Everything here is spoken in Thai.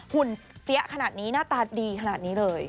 หุ่นเสียขนาดนี้หน้าตาดีขนาดนี้เลย